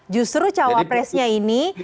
justru cawapresnya ini